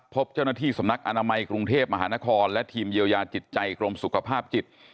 พบเจ้าหน้าที่สำนักอนามัยกรุงเทพมหานครและทีมเยียวยาจิตใจกรมสุขภาพจิต